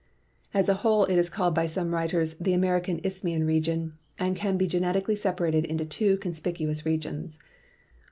As a whole it is called by some writers the American Isthmian region,* and can be genetically separated into two conspicuous regions : 1.